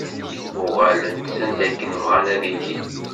Uɣalen-d s anda akken bɣan ad ilin.